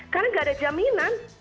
karena nggak ada jaminan